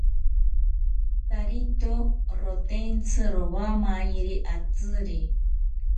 Tarito rotentsi rowamayiri atziri